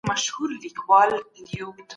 موږ خوښي غواړو.